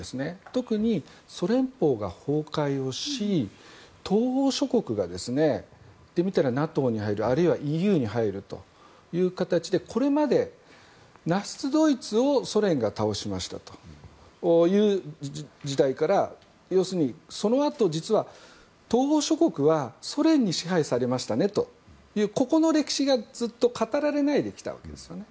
特にソ連邦が崩壊をし東欧諸国が言ってみたらＮＡＴＯに入るあるいはＥＵに入るという形でこれまで、ナチスドイツをソ連が倒しましたという時代からそのあと実は東欧諸国はソ連に支配されましたねというここの歴史がずっと語られないできたわけですね。